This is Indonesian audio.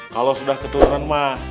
kalo sudah keturunan mah